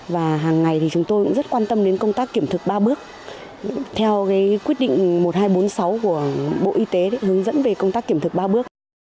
và hàng ngày thì chúng tôi cũng rất quan tâm đến công tác kiểm thực ba bước theo quyết định một nghìn hai trăm bốn mươi sáu của bộ y tế để hướng dẫn về công tác kiểm thực ba bước